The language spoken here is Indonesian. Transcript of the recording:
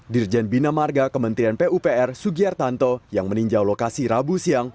dirjen bina marga kementerian pupr sugiartanto yang meninjau lokasi rabu siang